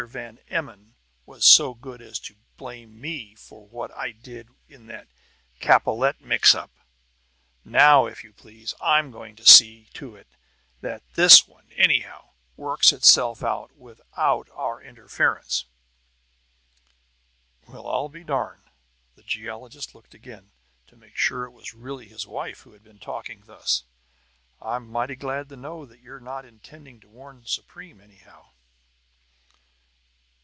Van Emmon was so good as to blame me for what I did in that Capellette mix up; now, if you please, I'm going to see to it that this one, anyhow, works itself out without our interference!" "Well, I'll be darned!" The geologist looked again, to make sure it was really his wife who had been talking thus. "I'm mighty glad to know that you're not intending to warn Supreme, anyhow!"